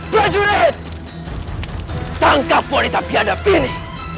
berjurit tangkap perempuan yang tak berani hadapi ini